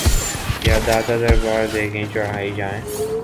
یا داتا دربار دیگیں چڑھائی جائیں؟